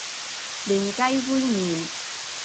嫩雞煨麵